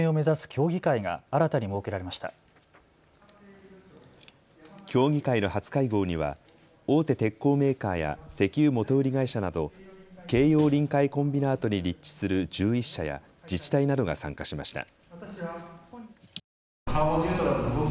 協議会の初会合には大手鉄鋼メーカーや石油元売り会社など京葉臨海コンビナートに立地する１１社や自治体などが参加しました。